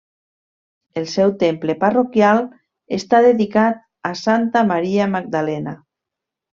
El seu temple parroquial està dedicat a Santa Maria Magdalena.